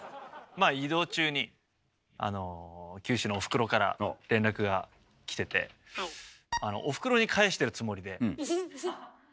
まあ移動中に九州のおふくろからの連絡が来てておふくろに返してるつもりで。